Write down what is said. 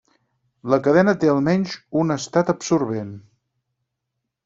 La cadena té almenys un estat absorbent.